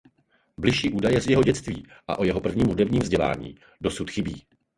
Bližší údaje z jeho dětství a o jeho prvním hudebním vzdělání dosud chybí.